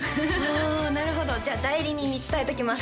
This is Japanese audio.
おおなるほどじゃあ代理人に伝えときます